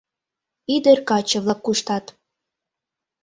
Ӱдыр-каче-влак куштат.